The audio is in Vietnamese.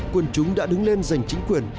quân chúng đã đứng lên giành chính quyền